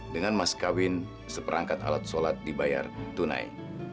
dengan mas kawin seperangkat alat sholat dibayar tunai